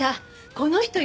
この人よ。